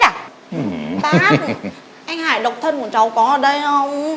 bác anh hải độc thân của cháu có ở đây không